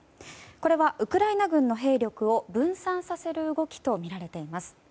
これは、ウクライナ軍の兵力を分散させる動きとみられています。